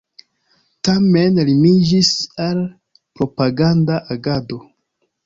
Tamen limiĝis al propaganda agado.